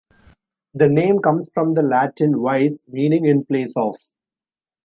The name comes from the Latin "vice" meaning "in place of".